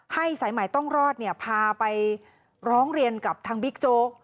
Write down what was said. สายใหม่ต้องรอดพาไปร้องเรียนกับทางบิ๊กโจ๊ก